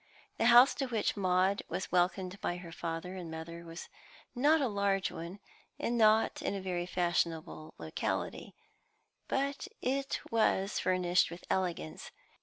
The house to which Maud was welcomed by her father and mother was not a large one, and not in a very fashionable locality, but it was furnished with elegance.